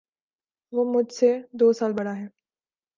وہ مجھ سے دو سال بڑا ہے